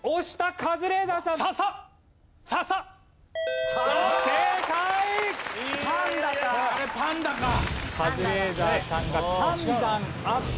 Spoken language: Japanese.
カズレーザーさんが３段アップ。